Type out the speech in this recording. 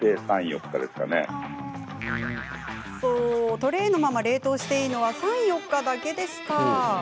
トレーのまま冷凍していいのは３、４日だけですか？